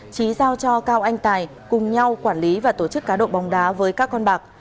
trí giao cho cao anh tài cùng nhau quản lý và tổ chức cá độ bóng đá với các con bạc